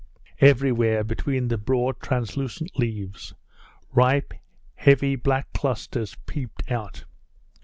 Everywhere between the broad translucent leaves, ripe, heavy, black clusters peeped out.